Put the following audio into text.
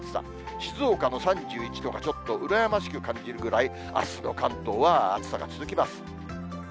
静岡の３１度がちょっと羨ましく感じるくらい、あすの関東は暑さが続きます。